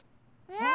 え？